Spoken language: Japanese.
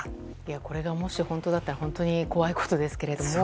これがもし本当だったら怖いことですけど。